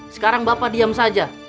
sekarang bapak diam saja